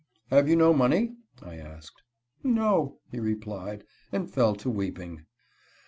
"Have you no money?" I asked. "No," he replied, and fell to weeping.